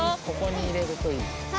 ここに入れるといいです。